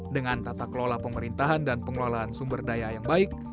dengan tata kelola pemerintahan dan pengelolaan sumber daya yang baik